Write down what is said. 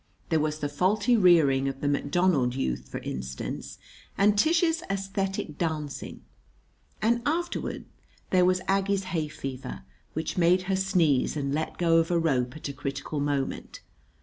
There was the faulty rearing of the McDonald youth, for instance, and Tish's æsthetic dancing. And afterward there was Aggie's hay fever, which made her sneeze and let go of a rope at a critical moment.